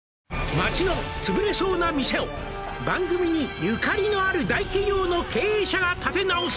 「街のつぶれそうな店を番組にゆかりのある」「大企業の経営者が立て直す」